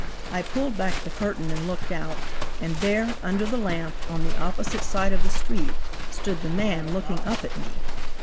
I pulled back the curtain and looked out, and there, under the lamp on the opposite side of the street, stood the man looking up at me!